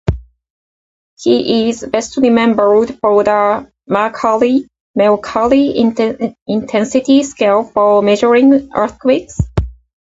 He is best remembered for the Mercalli intensity scale for measuring earthquakes.